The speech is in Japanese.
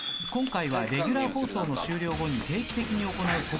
今回はレギュラー放送の終了後に定期的に行う。